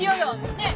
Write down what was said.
ねえ！